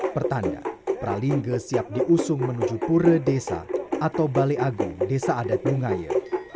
pertanda pralinga siap diusung menuju pura desa atau balai agung desa adat bungaya